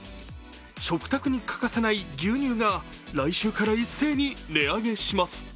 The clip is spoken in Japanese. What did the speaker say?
食卓に欠かせない牛乳が、来週から一斉に値上げします。